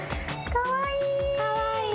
かわいい！